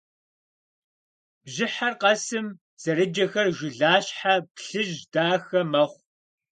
Бжьыхьэр къэсым зэрыджэхэр жылащхьэ плъыжь дахэ мэхъу.